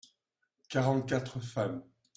Quarante-quatre femmes.